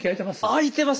空いてます。